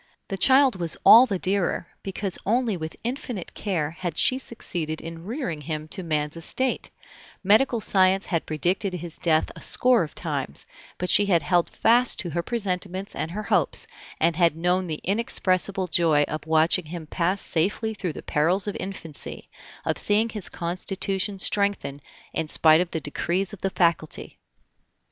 The child was all the dearer, because only with infinite care had she succeeded in rearing him to man's estate; medical science had predicted his death a score of times, but she had held fast to her presentiments and her hopes, and had known the inexpressible joy of watching him pass safely through the perils of infancy, of seeing his constitution strengthen in spite of the decrees of the Faculty.